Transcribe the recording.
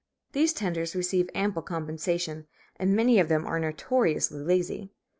These tenders receive ample compensation, and many of them are notoriously lazy.